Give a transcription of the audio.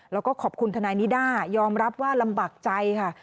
แล้วก็ขอบคุณทนายนิด้ายอมรับว่าลำบากใจค่ะ